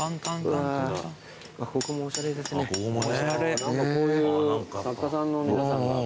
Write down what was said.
何かこういう作家さんの皆さんが。